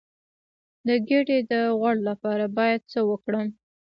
د ګیډې د غوړ لپاره باید څه وکړم؟